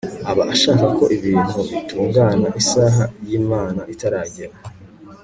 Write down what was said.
aba ashaka ko ibintu bitungana isaha y'imana itaragera